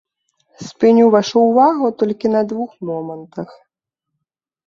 Спыню вашу ўвагу толькі на двух момантах.